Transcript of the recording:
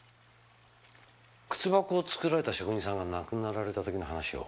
靴箱を作られた職人さんが亡くなられた時の話を？